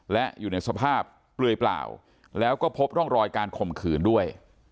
และอยู่ในสภาพเปลือยเปล่าแล้วก็พบร่องรอยการข่มขืนด้วย